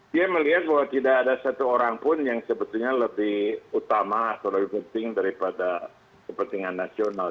dia melihat bahwa tidak ada satu orang pun yang sebetulnya lebih utama atau lebih penting daripada kepentingan nasional